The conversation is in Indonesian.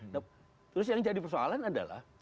nah terus yang jadi persoalan adalah